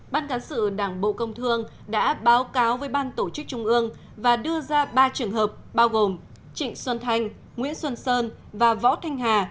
ban cán sự đảng bộ công thương đã báo cáo với ban tổ chức trung ương và đưa ra ba trường hợp bao gồm trịnh xuân thanh nguyễn xuân sơn và võ thanh hà